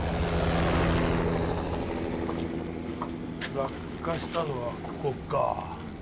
落下したのはここか。